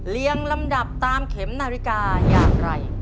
ลำดับตามเข็มนาฬิกาอย่างไร